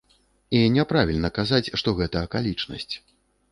І няправільна казаць, што гэта акалічнасць.